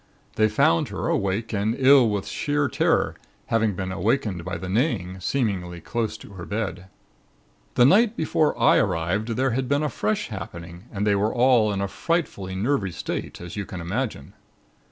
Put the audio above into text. They found her awake and ill with sheer terror, having been awakened by the neighing, seemingly close to her bed. "The night before I arrived, there had been a fresh happening and they were all in a frightfully nervy state, as you can imagine.